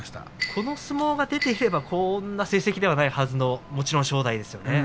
この相撲が出てくればこんな成績ではないはずの正代ですよね。